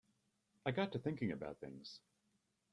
I got to thinking about things.